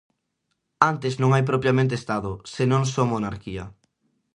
Antes non hai propiamente Estado, senón só Monarquía.